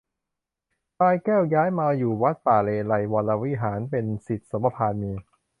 พลายแก้วย้ายมาอยู่วัดป่าเลไลยก์วรวิหาร เป็นศิษย์สมภารมี